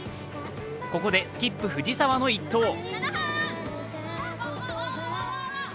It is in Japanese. ここでスキップ・藤澤の１投。